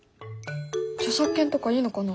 著作権とかいいのかな？